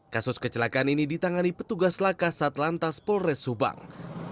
kasus kecelakaan ini ditangani petugas lakas sat lantas polres subang